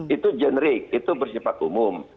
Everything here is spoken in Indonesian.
itu generik itu bersifat umum